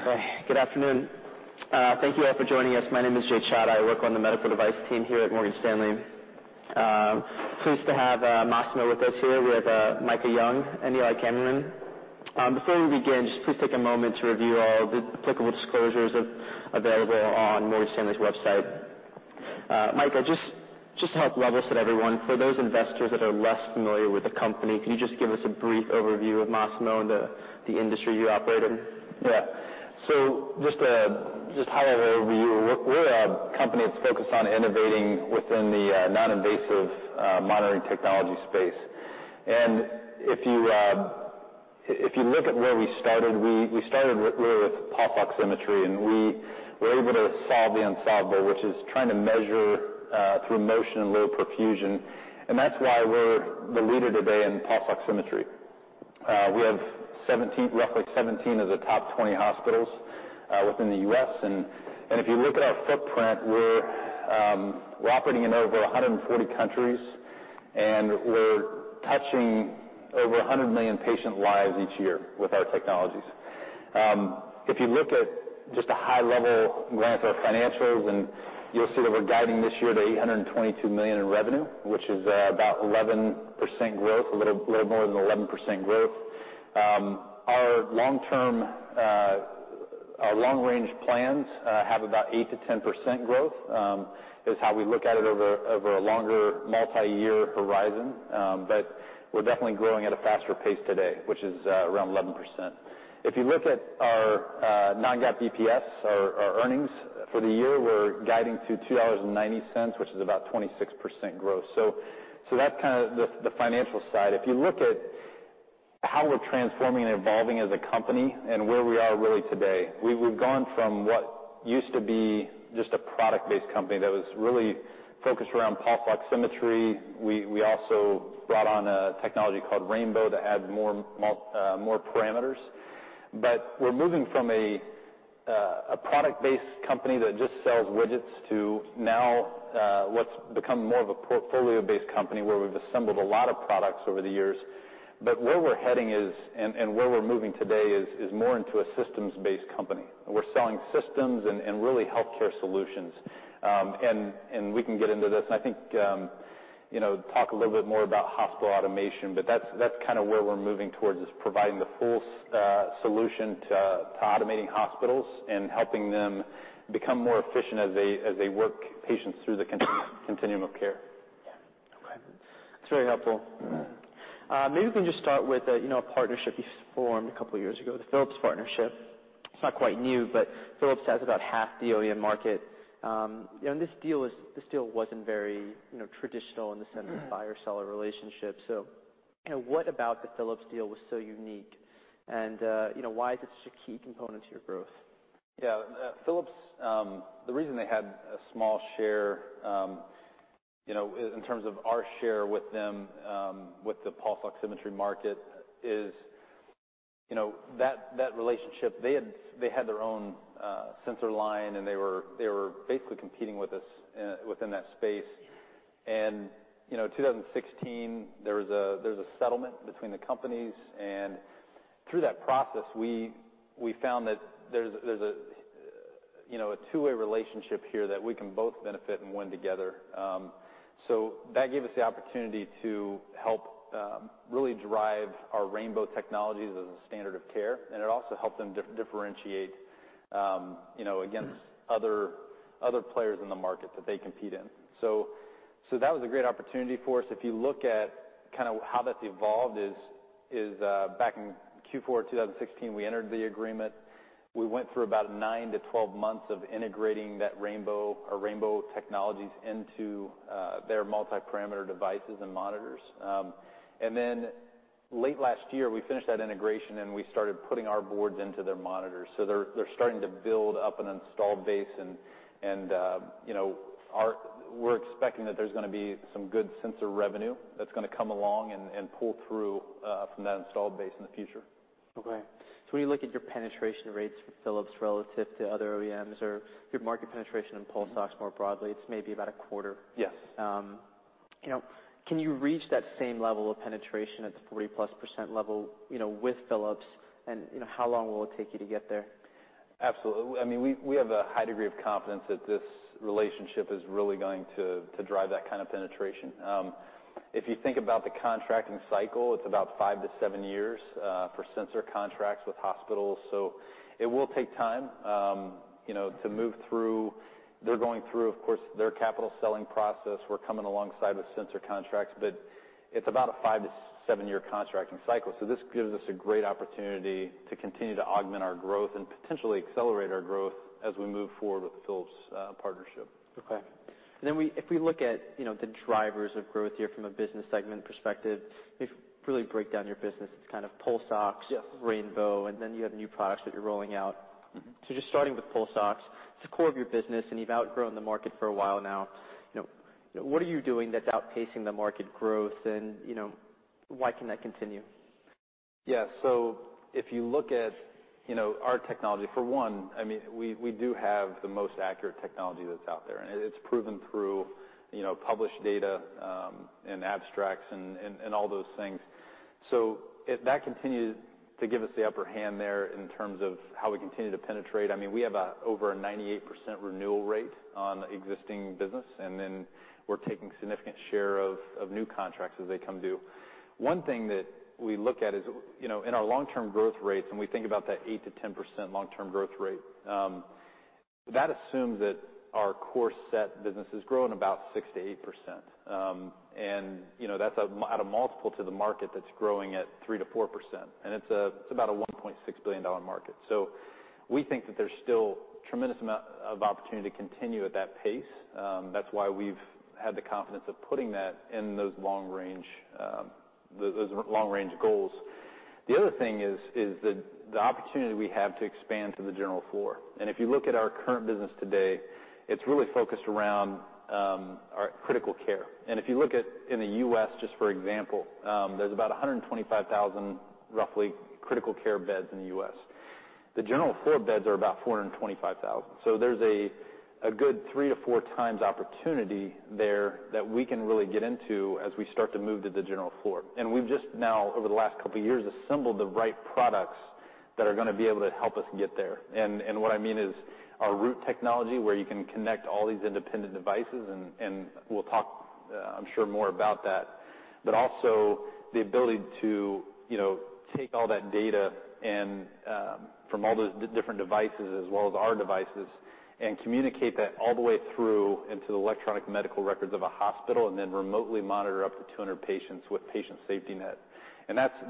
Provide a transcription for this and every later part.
Okay. Good afternoon. Thank you all for joining us. My name is Jay Chadha. I work on the medical device team here at Morgan Stanley. Pleased to have Masimo with us here. We have Micah Young and Eli Kammerman. Before we begin, just please take a moment to review all the applicable disclosures available on Morgan Stanley's website. Micah, just to help level set everyone, for those investors that are less familiar with the company, could you just give us a brief overview of Masimo and the industry you operate in? Yeah. So just a high-level overview. We're a company that's focused on innovating within the non-invasive monitoring technology space. And if you look at where we started, we started really with pulse oximetry, and we were able to solve the unsolvable, which is trying to measure through motion and low perfusion. And that's why we're the leader today in pulse oximetry. We have roughly 17 of the top 20 hospitals within the U.S. And if you look at our footprint, we're operating in over 140 countries, and we're touching over 100 million patient lives each year with our technologies. If you look at just a high-level glance at our financials, you'll see that we're guiding this year to $822 million in revenue, which is about 11% growth, a little more than 11% growth. Our long-range plans have about 8%-10% growth is how we look at it over a longer multi-year horizon. But we're definitely growing at a faster pace today, which is around 11%. If you look at our non-GAAP EPS, our earnings for the year, we're guiding to $2.90, which is about 26% growth. So that's kind of the financial side. If you look at how we're transforming and evolving as a company and where we are really today, we've gone from what used to be just a product-based company that was really focused around pulse oximetry. We also brought on a technology called Rainbow that had more parameters. But we're moving from a product-based company that just sells widgets to now what's become more of a portfolio-based company where we've assembled a lot of products over the years. But where we're heading is, and where we're moving today is more into a systems-based company. We're selling systems and really healthcare solutions. And we can get into this. And I think talk a little bit more about hospital automation, but that's kind of where we're moving towards is providing the full solution to automating hospitals and helping them become more efficient as they work patients through the continuum of care. Yeah. Okay. That's very helpful. Maybe we can just start with a partnership you formed a couple of years ago, the Philips partnership. It's not quite new, but Philips has about half the OEM market. And this deal wasn't very traditional in the sense of buyer-seller relationship. So what about the Philips deal was so unique? And why is it such a key component to your growth? Yeah. Philips, the reason they had a small share in terms of our share with them with the pulse oximetry market is that relationship. They had their own sensor line, and they were basically competing with us within that space. And in 2016, there was a settlement between the companies. And through that process, we found that there's a two-way relationship here that we can both benefit and win together. So that gave us the opportunity to help really drive our Rainbow technologies as a standard of care. And it also helped them differentiate against other players in the market that they compete in. So that was a great opportunity for us. If you look at kind of how that's evolved is back in Q4 of 2016, we entered the agreement. We went through about nine to 12 months of integrating that Rainbow or Rainbow technologies into their multi-parameter devices and monitors, and then late last year, we finished that integration, and we started putting our boards into their monitors, so they're starting to build up an installed base, and we're expecting that there's going to be some good sensor revenue that's going to come along and pull through from that installed base in the future. Okay, so when you look at your penetration rates for Philips relative to other OEMs or your market penetration in pulse oximetry more broadly, it's maybe about a quarter. Yes. Can you reach that same level of penetration at the 40%+ level with Philips? And how long will it take you to get there? Absolutely. I mean, we have a high degree of confidence that this relationship is really going to drive that kind of penetration. If you think about the contracting cycle, it's about five to seven years for sensor contracts with hospitals. So it will take time to move through. They're going through, of course, their capital selling process. We're coming alongside with sensor contracts, but it's about a five to seven-year contracting cycle. So this gives us a great opportunity to continue to augment our growth and potentially accelerate our growth as we move forward with the Philips partnership. Okay. And then if we look at the drivers of growth here from a business segment perspective, if we really break down your business, it's kind of pulse oximetry, Rainbow, and then you have new products that you're rolling out. So just starting with pulse oximetry, it's the core of your business, and you've outgrown the market for a while now. What are you doing that's outpacing the market growth? And why can that continue? Yeah. So if you look at our technology, for one, I mean, we do have the most accurate technology that's out there. And it's proven through published data and abstracts and all those things. So that continues to give us the upper hand there in terms of how we continue to penetrate. I mean, we have over a 98% renewal rate on existing business, and then we're taking a significant share of new contracts as they come due. One thing that we look at is in our long-term growth rates, and we think about that 8%-10% long-term growth rate. That assumes that our core SET business is growing about 6%-8%. And that's a multiple to the market that's growing at 3%-4%. And it's about a $1.6 billion market. So we think that there's still a tremendous amount of opportunity to continue at that pace. That's why we've had the confidence of putting that in those long-range goals. The other thing is the opportunity we have to expand to the general floor. And if you look at our current business today, it's really focused around critical care. And if you look at in the U.S., just for example, there's about 125,000 roughly critical care beds in the U.S. The general floor beds are about 425,000. So there's a good three to four times opportunity there that we can really get into as we start to move to the general floor. And we've just now, over the last couple of years, assembled the right products that are going to be able to help us get there. What I mean is our Root technology where you can connect all these independent devices, and we'll talk, I'm sure, more about that, but also the ability to take all that data from all those different devices as well as our devices and communicate that all the way through into the electronic medical records of a hospital and then remotely monitor up to 200 patients with Patient SafetyNet.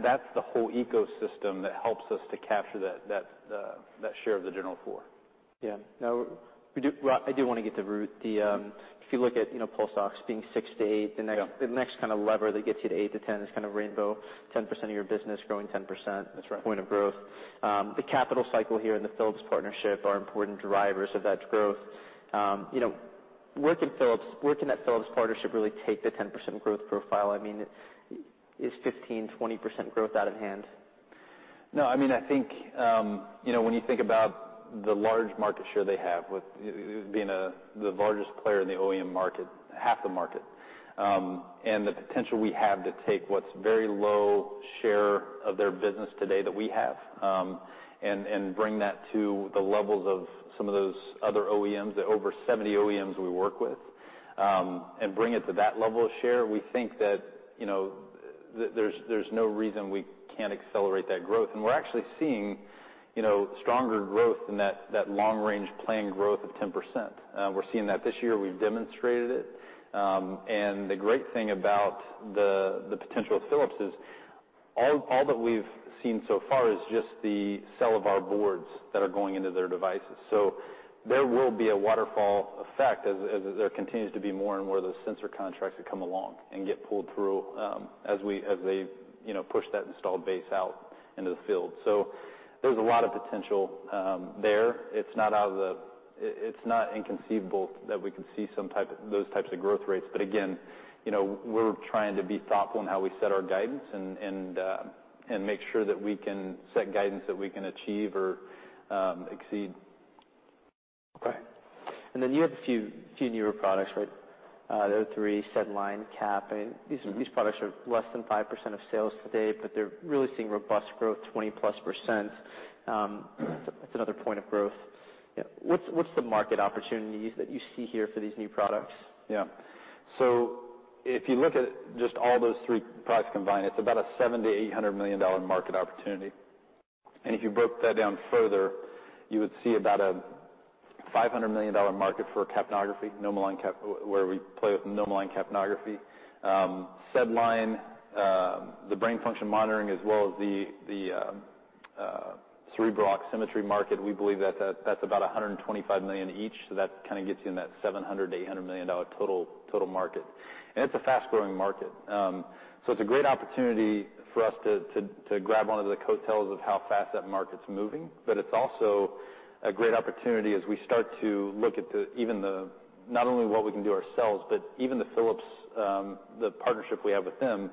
That's the whole ecosystem that helps us to capture that share of the general floor. Yeah. Now, I do want to get to Root. If you look at pulse oximetry being 6-8, the next kind of lever that gets you to 8-10 is kind of Rainbow, 10% of your business growing, 10% point of growth. The capital cycle here and the Philips partnership are important drivers of that growth. Working at Philips partnership really take the 10% growth profile. I mean, is 15%-20% growth out of hand? No. I mean, I think when you think about the large market share they have with being the largest player in the OEM market, half the market, and the potential we have to take what's very low share of their business today that we have and bring that to the levels of some of those other OEMs, the over 70 OEMs we work with, and bring it to that level of share, we think that there's no reason we can't accelerate that growth. And we're actually seeing stronger growth than that long-range planned growth of 10%. We're seeing that this year. We've demonstrated it. And the great thing about the potential of Philips is all that we've seen so far is just the sale of our boards that are going into their devices. So there will be a waterfall effect as there continues to be more and more of those sensor contracts that come along and get pulled through as they push that installed base out into the field. So there's a lot of potential there. It's not inconceivable that we could see those types of growth rates. But again, we're trying to be thoughtful in how we set our guidance and make sure that we can set guidance that we can achieve or exceed. Okay. And then you have a few newer products, right? There are three, SedLine, Cap. These products are less than 5% of sales today, but they're really seeing robust growth, 20%+. That's another point of growth. What's the market opportunities that you see here for these new products? Yeah. So if you look at just all those three products combined, it's about a $700 million-$800 million market opportunity, and if you broke that down further, you would see about a $500 million market for capnography, where we play with NomoLine capnography. SedLine, the brain function monitoring, as well as the cerebral oximetry market, we believe that that's about $125 million each. So that kind of gets you in that $700 million-$800 million total market, and it's a fast-growing market, so it's a great opportunity for us to grab one of the coattails of how fast that market's moving. But it's also a great opportunity as we start to look at not only what we can do ourselves, but even the Philips, the partnership we have with them.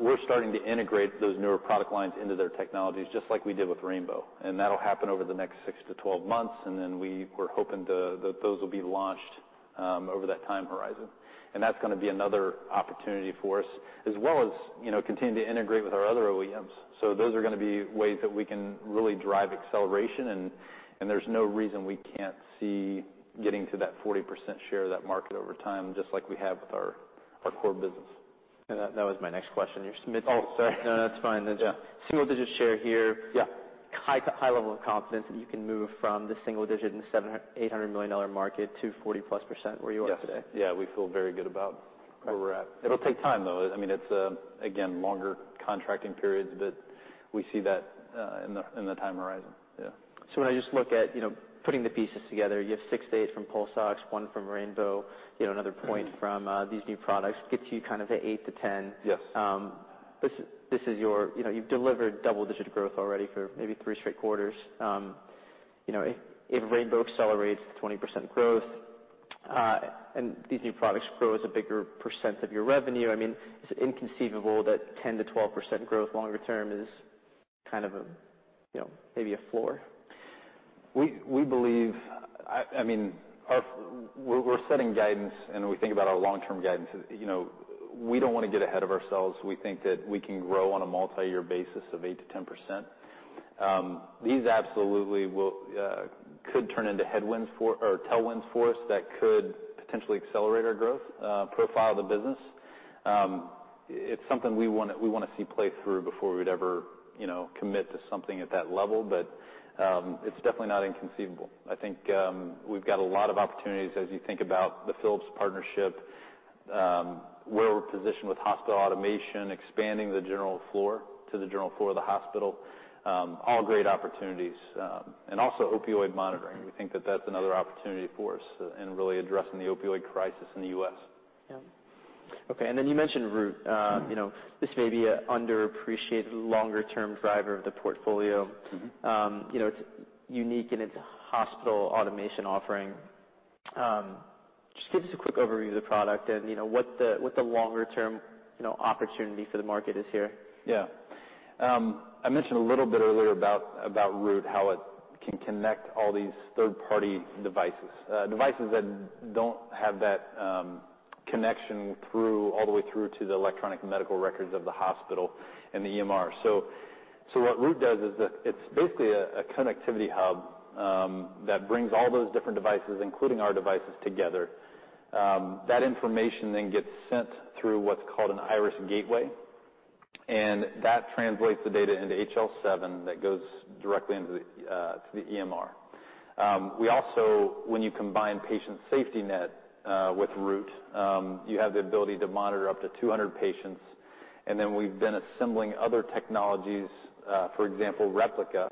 We're starting to integrate those newer product lines into their technologies just like we did with Rainbow. And that'll happen over the next 6 to 12 months. And then we're hoping that those will be launched over that time horizon. And that's going to be another opportunity for us as well as continue to integrate with our other OEMs. So those are going to be ways that we can really drive acceleration. And there's no reason we can't see getting to that 40% share of that market over time just like we have with our core business. That was my next question. Oh, sorry. No, that's fine. Single-digit share here, high level of confidence that you can move from the single-digit and the $800 million market to 40%+ where you are today. Yeah. Yeah. We feel very good about where we're at. It'll take time, though. I mean, it's, again, longer contracting periods, but we see that in the time horizon. Yeah. So when I just look at putting the pieces together, you have six to eight from pulse oximetry, one from Rainbow, another point from these new products gets you kind of to eight to 10. This is, you've delivered double-digit growth already for maybe three straight quarters. If Rainbow accelerates to 20% growth and these new products grow as a bigger percent of your revenue, I mean, it's inconceivable that 10%-12% growth longer term is kind of maybe a floor. We believe, I mean, we're setting guidance, and we think about our long-term guidance. We don't want to get ahead of ourselves. We think that we can grow on a multi-year basis of 8%-10%. These absolutely could turn into headwinds or tailwinds for us that could potentially accelerate our growth profile of the business. It's something we want to see play through before we'd ever commit to something at that level. But it's definitely not inconceivable. I think we've got a lot of opportunities as you think about the Philips partnership, where we're positioned with hospital automation, expanding the general floor to the general floor of the hospital, all great opportunities. And also opioid monitoring. We think that that's another opportunity for us in really addressing the opioid crisis in the U.S. Yeah. Okay. And then you mentioned Root. This may be an underappreciated longer-term driver of the portfolio. It's unique in its hospital automation offering. Just give us a quick overview of the product and what the longer-term opportunity for the market is here. Yeah. I mentioned a little bit earlier about Root, how it can connect all these third-party devices, devices that don't have that connection all the way through to the Electronic Medical Records of the hospital and the EMR. So what Root does is it's basically a connectivity hub that brings all those different devices, including our devices, together. That information then gets sent through what's called an Iris Gateway. And that translates the data into HL7 that goes directly into the EMR. We also, when you combine Patient SafetyNet with Root, you have the ability to monitor up to 200 patients. And then we've been assembling other technologies, for example, Replica,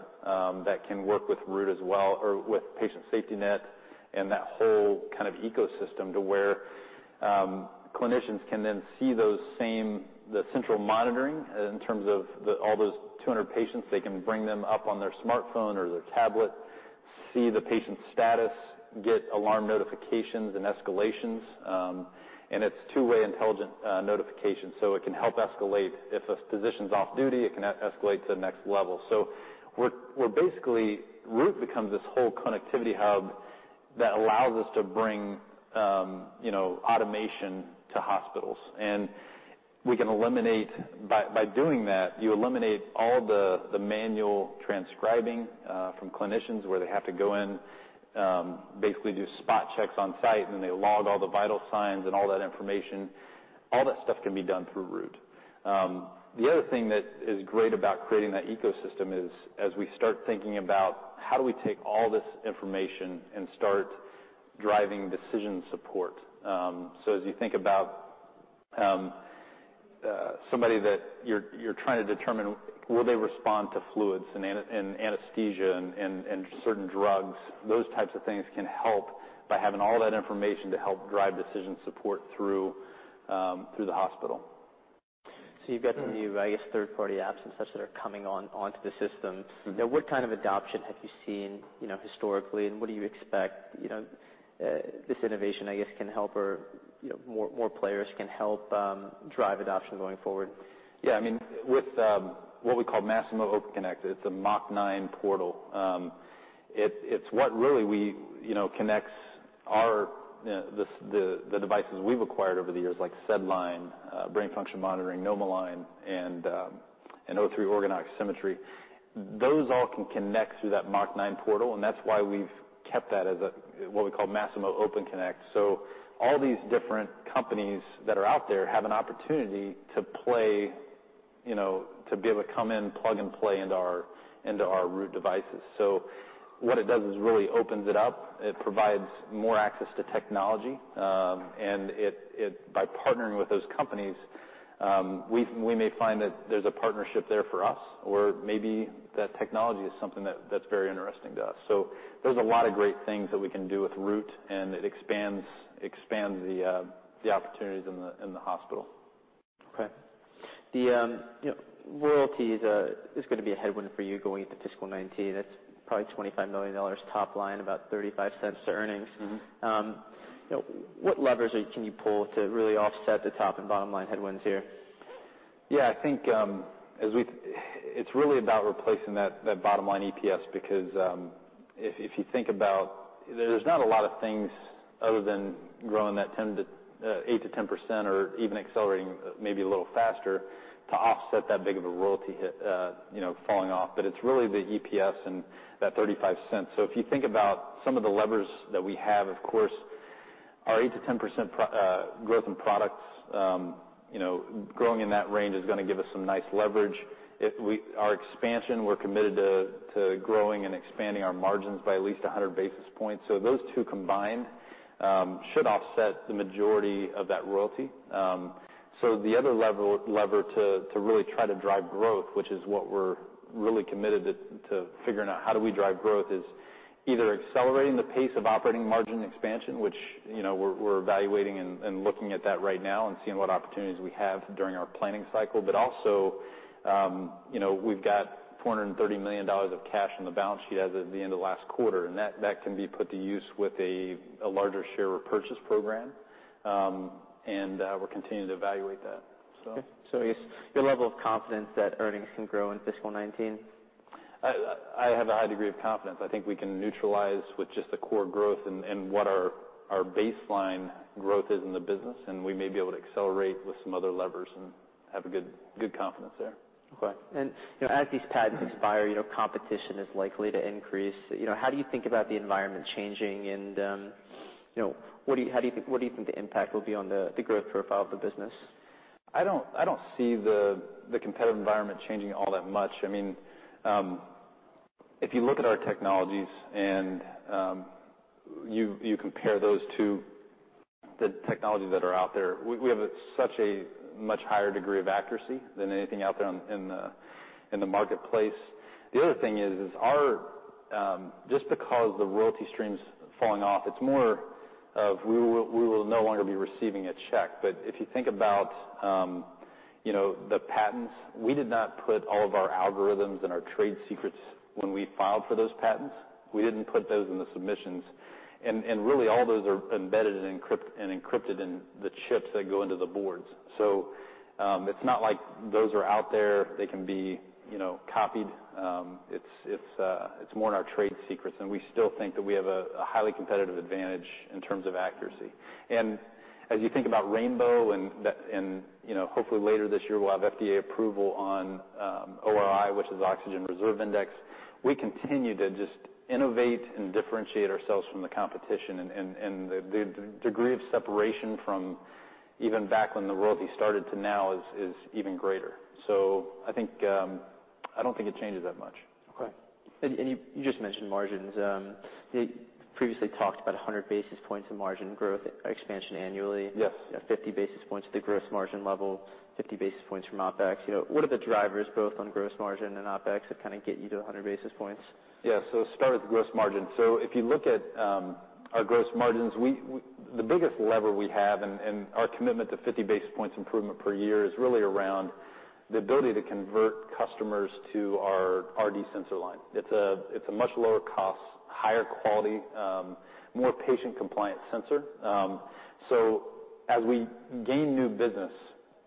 that can work with Root as well or with Patient SafetyNet and that whole kind of ecosystem to where clinicians can then see the central monitoring in terms of all those 200 patients. They can bring them up on their smartphone or their tablet, see the patient's status, get alarm notifications and escalations. And it's two-way intelligent notification. So it can help escalate. If a physician's off duty, it can escalate to the next level. So basically, Root becomes this whole connectivity hub that allows us to bring automation to hospitals. And by doing that, you eliminate all the manual transcribing from clinicians where they have to go in, basically do spot checks on site, and then they log all the vital signs and all that information. All that stuff can be done through Root. The other thing that is great about creating that ecosystem is as we start thinking about how do we take all this information and start driving decision support. So as you think about somebody that you're trying to determine, will they respond to fluids and anesthesia and certain drugs? Those types of things can help by having all that information to help drive decision support through the hospital. So you've got some new, I guess, third-party apps and such that are coming onto the system. What kind of adoption have you seen historically, and what do you expect this innovation, I guess, can help, or more players can help drive adoption going forward? Yeah. I mean, with what we call Masimo Open Connect, it's a MOC-9 portal. It's what really connects the devices we've acquired over the years, like SedLine, brain function monitoring, NomoLine, and O3 organ oximetry. Those all can connect through that MOC-9 portal. That's why we've kept that as what we call Masimo Open Connect. All these different companies that are out there have an opportunity to be able to come in, plug and play into our Root devices. What it does is really opens it up. It provides more access to technology. By partnering with those companies, we may find that there's a partnership there for us, or maybe that technology is something that's very interesting to us. There's a lot of great things that we can do with Root, and it expands the opportunities in the hospital. Okay. The royalty is going to be a headwind for you going into fiscal 2019. That's probably $25 million top line, about $0.35 to earnings. What levers can you pull to really offset the top and bottom line headwinds here? Yeah. I think it's really about replacing that bottom line EPS because if you think about, there's not a lot of things other than growing that 8%-10% or even accelerating maybe a little faster to offset that big of a royalty falling off. But it's really the EPS and that $0.35. So if you think about some of the levers that we have, of course, our 8%-10% growth in products, growing in that range is going to give us some nice leverage. Our expansion, we're committed to growing and expanding our margins by at least 100 basis points. So those two combined should offset the majority of that royalty. The other lever to really try to drive growth, which is what we're really committed to figuring out how do we drive growth, is either accelerating the pace of operating margin expansion, which we're evaluating and looking at that right now and seeing what opportunities we have during our planning cycle, but also, we've got $430 million of cash on the balance sheet as of the end of last quarter. And that can be put to use with a larger share repurchase program. And we're continuing to evaluate that, so. So your level of confidence that earnings can grow in fiscal 2019? I have a high degree of confidence. I think we can neutralize with just the core growth and what our baseline growth is in the business, and we may be able to accelerate with some other levers and have a good confidence there. Okay. And as these patents expire, competition is likely to increase. How do you think about the environment changing? And what do you think the impact will be on the growth profile of the business? I don't see the competitive environment changing all that much. I mean, if you look at our technologies and you compare those to the technologies that are out there, we have such a much higher degree of accuracy than anything out there in the marketplace. The other thing is just because the royalty stream's falling off, it's more of we will no longer be receiving a check. But if you think about the patents, we did not put all of our algorithms and our trade secrets when we filed for those patents. We didn't put those in the submissions. And really, all those are embedded and encrypted in the chips that go into the boards. So it's not like those are out there. They can be copied. It's more in our trade secrets. And we still think that we have a highly competitive advantage in terms of accuracy. As you think about Rainbow, and hopefully later this year, we'll have FDA approval on ORI, which is Oxygen Reserve Index. We continue to just innovate and differentiate ourselves from the competition. The degree of separation from even back when the royalty started to now is even greater. I don't think it changes that much. Okay. And you just mentioned margins. You previously talked about 100 basis points of margin growth expansion annually, 50 basis points to the gross margin level, 50 basis points from OpEx. What are the drivers both on gross margin and OpEx that kind of get you to 100 basis points? Yeah. So let's start with gross margin. So if you look at our gross margins, the biggest lever we have and our commitment to 50 basis points improvement per year is really around the ability to convert customers to our RD sensor line. It's a much lower cost, higher quality, more patient-compliant sensor. So as we gain new business,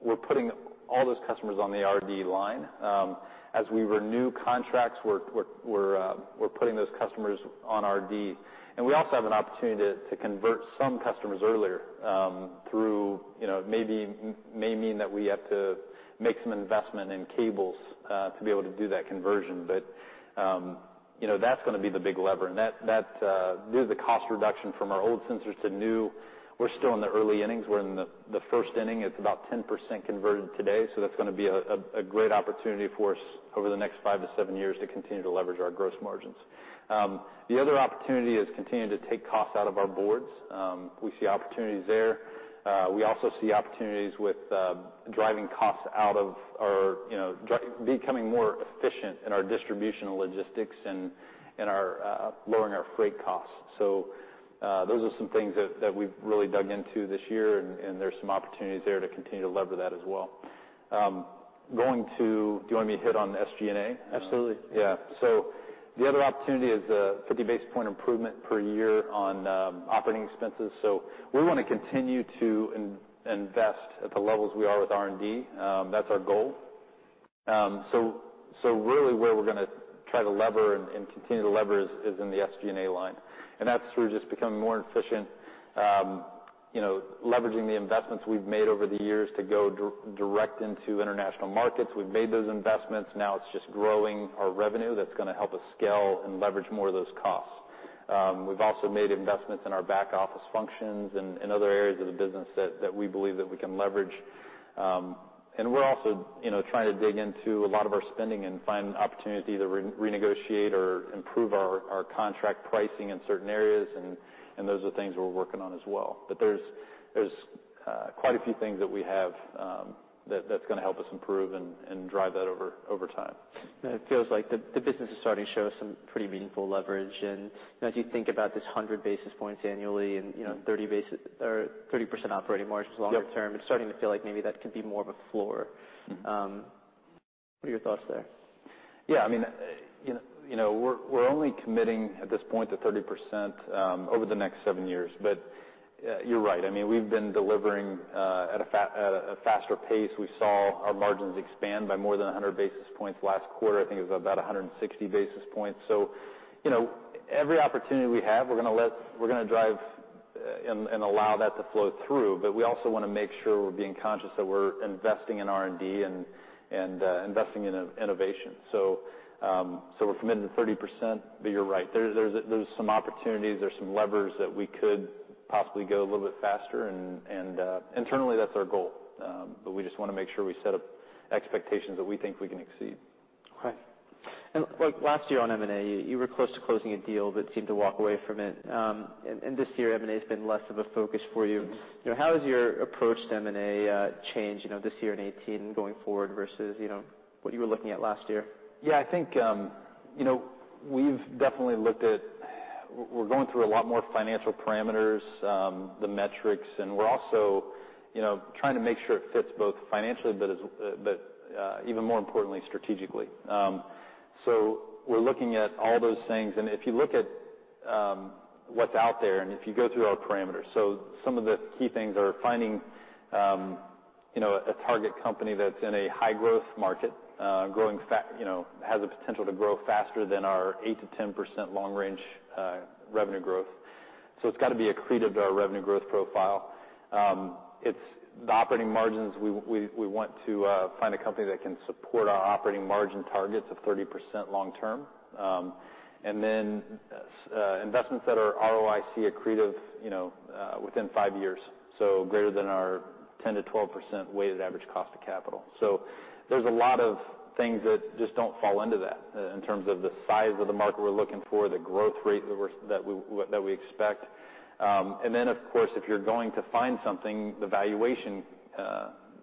we're putting all those customers on the RD line. As we renew contracts, we're putting those customers on RD. And we also have an opportunity to convert some customers earlier through maybe mean that we have to make some investment in cables to be able to do that conversion. But that's going to be the big lever. And due to the cost reduction from our old sensors to new, we're still in the early innings. We're in the first inning. It's about 10% converted today. So that's going to be a great opportunity for us over the next five to seven years to continue to leverage our gross margins. The other opportunity is continuing to take costs out of our boards. We see opportunities there. We also see opportunities with driving costs out of our becoming more efficient in our distribution and logistics and lowering our freight costs. So those are some things that we've really dug into this year. And there's some opportunities there to continue to lever that as well. Do you want me to hit on SG&A? Absolutely. Yeah. So the other opportunity is 50 basis points improvement per year on operating expenses. So we want to continue to invest at the levels we are with R&D. That's our goal. So really, where we're going to try to lever and continue to lever is in the SG&A line. And that's through just becoming more efficient, leveraging the investments we've made over the years to go direct into international markets. We've made those investments. Now it's just growing our revenue that's going to help us scale and leverage more of those costs. We've also made investments in our back office functions and other areas of the business that we believe that we can leverage. And we're also trying to dig into a lot of our spending and find opportunities to either renegotiate or improve our contract pricing in certain areas. And those are things we're working on as well. But there's quite a few things that we have that's going to help us improve and drive that over time. It feels like the business is starting to show some pretty meaningful leverage. And as you think about this 100 basis points annually and 30% operating margins longer term, it's starting to feel like maybe that can be more of a floor. What are your thoughts there? Yeah. I mean, we're only committing at this point to 30% over the next seven years. But you're right. I mean, we've been delivering at a faster pace. We saw our margins expand by more than 100 basis points last quarter. I think it was about 160 basis points. So every opportunity we have, we're going to drive and allow that to flow through. But we also want to make sure we're being conscious that we're investing in R&D and investing in innovation. So we're committed to 30%. But you're right. There's some opportunities. There's some levers that we could possibly go a little bit faster. And internally, that's our goal. But we just want to make sure we set up expectations that we think we can exceed. Okay. And last year on M&A, you were close to closing a deal but seemed to walk away from it. And this year, M&A has been less of a focus for you. How has your approach to M&A changed this year in 2018 and going forward versus what you were looking at last year? Yeah. I think we've definitely looked at we're going through a lot more financial parameters, the metrics. And we're also trying to make sure it fits both financially, but even more importantly, strategically. So we're looking at all those things. And if you look at what's out there and if you go through our parameters, so some of the key things are finding a target company that's in a high-growth market, has a potential to grow faster than our 8%-10% long-range revenue growth. So it's got to be accretive to our revenue growth profile. It's the operating margins. We want to find a company that can support our operating margin targets of 30% long-term. And then investments that are ROIC accretive within five years, so greater than our 10%-12% weighted average cost of capital. So there's a lot of things that just don't fall into that in terms of the size of the market we're looking for, the growth rate that we expect. And then, of course, if you're going to find something, the valuation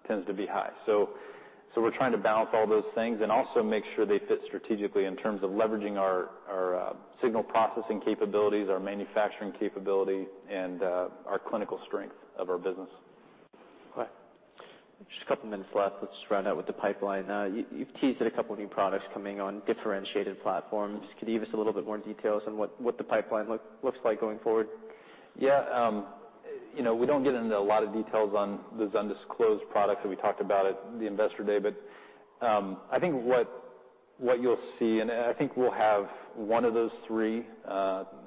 tends to be high. So we're trying to balance all those things and also make sure they fit strategically in terms of leveraging our signal processing capabilities, our manufacturing capability, and our clinical strength of our business. Okay. Just a couple of minutes left. Let's just round out with the pipeline. You've teased a couple of new products coming on differentiated platforms. Could you give us a little bit more details on what the pipeline looks like going forward? Yeah. We don't get into a lot of details on the undisclosed product that we talked about at the investor day. But I think what you'll see, and I think we'll have one of those three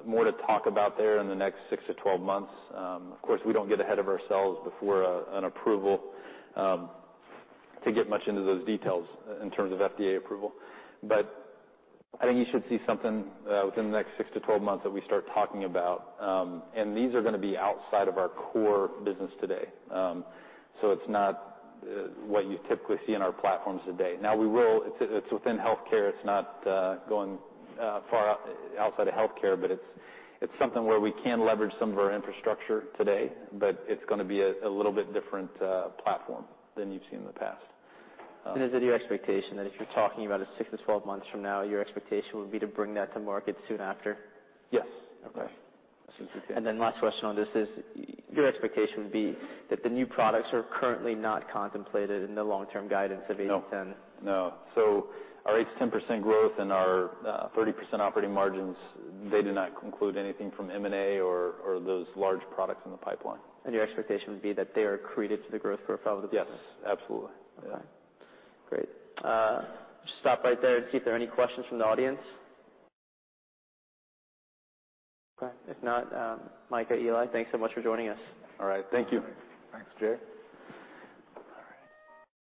more to talk about there in the next six to 12 months. Of course, we don't get ahead of ourselves before an approval to get much into those details in terms of FDA approval. But I think you should see something within the next six to 12 months that we start talking about. And these are going to be outside of our core business today. So it's not what you typically see in our platforms today. Now, it's within healthcare. It's not going far outside of healthcare. But it's something where we can leverage some of our infrastructure today. But it's going to be a little bit different platform than you've seen in the past. Is it your expectation that if you're talking about a 6-12 months from now, your expectation would be to bring that to market soon after? Yes. Okay. And then last question on this is your expectation would be that the new products are currently not contemplated in the long-term guidance of 2018? No. No. So our 8%-10% growth and our 30% operating margins, they do not include anything from M&A or those large products in the pipeline. Your expectation would be that they are accretive to the growth profile of the business? Yes. Absolutely. Okay. Great. Just stop right there and see if there are any questions from the audience. Okay. If not, Micah, Eli, thanks so much for joining us. All right. Thank you. Thanks, Jay. All right.